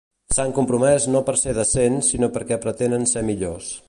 S'han compromès no per ser decents sinó perquè pretenen ser millors.